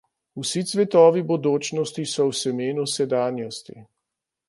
Vsi cvetovi bodočnosti so v semenu sedanjosti.